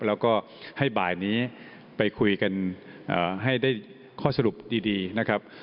แล้วก็ให้บ่ายนี้ไปคุยกันให้ได้ข้อสรุปดีนะครับ